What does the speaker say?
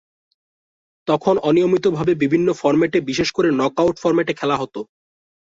তখন অনিয়মিতভাবে বিভিন্ন ফরম্যাটে বিশেষ করে নকআউট ফরম্যাটে খেলা হত।